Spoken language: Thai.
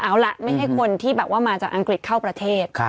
เอาล่ะไม่ให้คนที่แบบว่ามาจากอังกฤษเข้าประเทศ